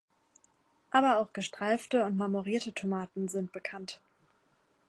Aber auch gestreifte und marmorierte Tomaten sind bekannt.